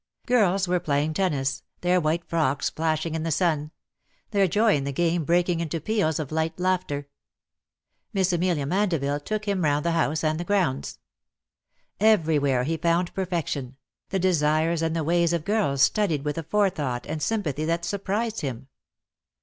Girls were playing tennis, their white frocks flashing in the sun — their joy in the game breaking into peals of light laughter. Miss Amelia Mande Tille took him round the house and the grounds. Everywhere he found perfection, the desires and the ways of girls studied with a forethought and sym pathy that surprised him.